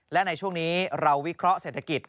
และในช่วงนี้เราวิเคราะห์เศรษฐกิจ